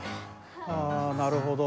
あなるほど。